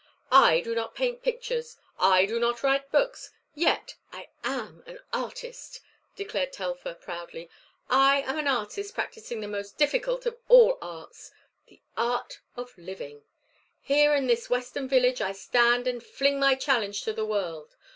"I do not paint pictures; I do not write books; yet am I an artist," declared Telfer, proudly. "I am an artist practising the most difficult of all arts the art of living. Here in this western village I stand and fling my challenge to the world.